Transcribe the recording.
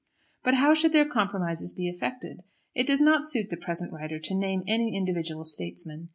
But how should their compromises be effected? It does not suit the present writer to name any individual statesman.